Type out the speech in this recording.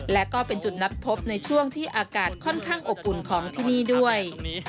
และก็เป็นจุดนัดพบในช่วงที่อากาศค่อนข้างอบอุ่นของที่นี่ด้วย